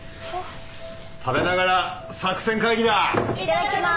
食べながら作戦会議だ。